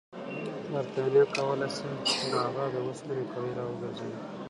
برټانیه کولای شي پر هغه د اوسپنې کړۍ راوګرځوي.